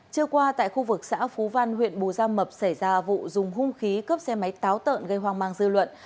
trưa qua tại khu vực xã phú văn huyện bù gia mập xảy ra vụ dùng hung khí cướp xe máy táo tợn gây hoang mang dư luận